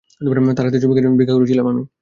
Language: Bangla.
তাঁর হাতে চুমু খেয়ে ভিক্ষা করেছিলাম আমি।